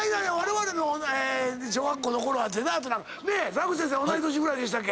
澤口先生同い年ぐらいでした？